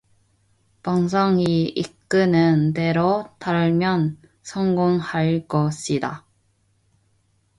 본성이 이끄는 대로 따르면 성공할 것이다.